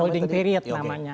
holding period namanya